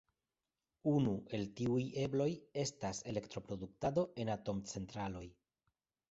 Unu el tiuj ebloj estas elektroproduktado en atomcentraloj.